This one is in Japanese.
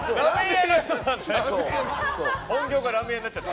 本業がラーメン屋になっちゃった。